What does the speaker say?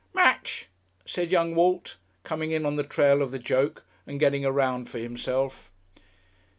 "Match," said young Walt, coming in on the trail of the joke and getting a round for himself.